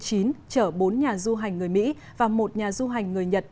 chở bốn nhà du hành người mỹ và một nhà du hành người nhật